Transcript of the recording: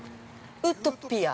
◆ウトピア？